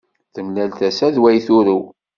Temlal tasa d way turew